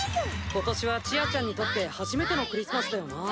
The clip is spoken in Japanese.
今年はちあちゃんにとって初めてのクリスマスだよなぁ。